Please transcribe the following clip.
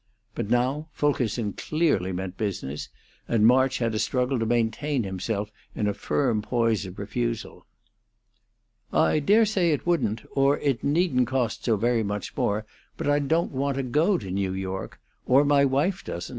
But now Fulkerson clearly meant business, and March had a struggle to maintain himself in a firm poise of refusal. "I dare say it wouldn't or it needn't cost so very much more, but I don't want to go to New York; or my wife doesn't.